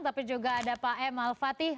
tapi juga ada pak m al fatih